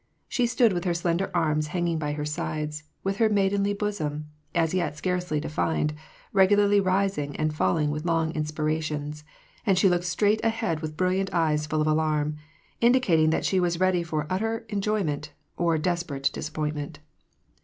She stood with her slender arms hanging by her sides ; with her maidenly bosom, as yet scarcely detined, regularly rising and falling with long inspirations ; and she looked straight ahead with brilliant eyes full of alarm, indicating that she was ready for utter enjoyment or desperate disappointment.